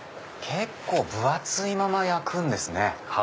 結構分厚いまま焼くんですね。